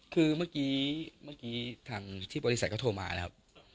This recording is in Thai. คือเมื่อกี้ทางที่บริษัทก็โทรมานะครับ